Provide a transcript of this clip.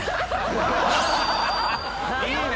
いいね！